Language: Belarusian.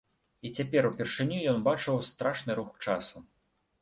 І цяпер упершыню ён убачыў страшны рух часу.